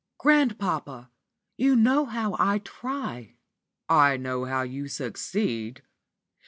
"Grandpapa! you know how I try." "I know how you succeed.